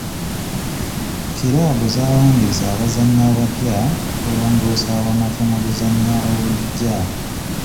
Kiraabu zawandiise abazannyi abapya okulongoosa ewanafu mu luzannya olujja.